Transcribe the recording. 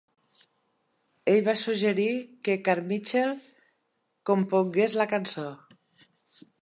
Ell va suggerir que Carmichael compongués la cançó.